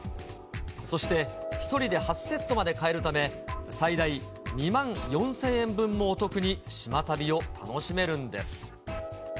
そして、１人で８セットまで買えるため、最大２万４０００円分もお得に島旅を楽しめるんです。